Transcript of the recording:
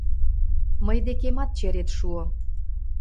Мый декемат черет шуо.